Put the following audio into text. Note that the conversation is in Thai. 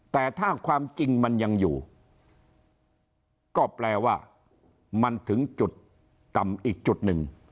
แต่ถ้าความจริงมันยังอยู่ก็แปลว่ามันถึงจุดต่ำอีกจุดหนึ่ง